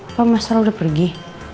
apa mas raul udah pergi